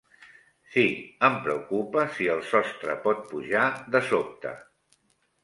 Sí, em preocupa si el sostre pot pujar de sobte.